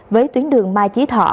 với tuyến đường mai chí thọ